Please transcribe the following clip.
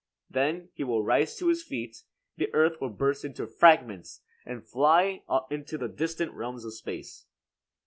Then he will rise to his feet, the earth will burst into fragments and fly into the distant realms of space.